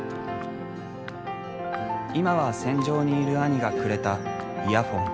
今は戦場にいる兄がくれたイヤホン。